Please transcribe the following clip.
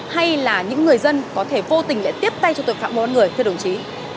hay là những người dân có thể vô tình lại tiếp tay cho tội phạm mua bán người thưa đồng chí